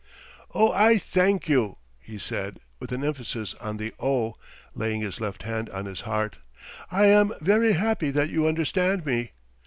"Oh, I thank you," he said, with an emphasis on the oh, laying his left hand on his heart. "I am very happy that you understand me!